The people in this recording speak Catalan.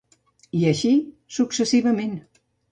I així, successivament.